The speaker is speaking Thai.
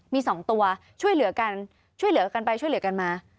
มี๒ตัวช่วยเหลือกันช่วยเหลือกันไปช่วยเหลือกันมา